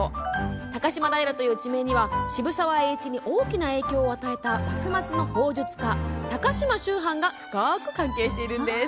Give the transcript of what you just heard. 高島平という地名には渋沢栄一に大きな影響を与えた幕末の砲術家、高島秋帆が深く関係しているんです。